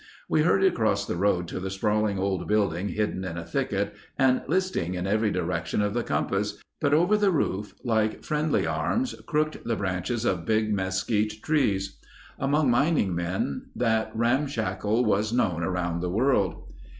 We hurried across the road to the sprawling old building hidden in a thicket and listing in every direction of the compass, but over the roof, like friendly arms crooked the branches of big mesquite trees. Among mining men that ramshackle was known around the world.